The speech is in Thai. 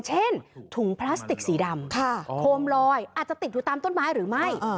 ถุงพลาสติกสีดำโคมลอยอาจจะติดอยู่ตามต้นไม้หรือไม่